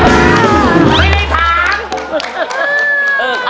ไม่ได้ถาม